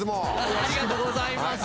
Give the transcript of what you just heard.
ありがとうございます。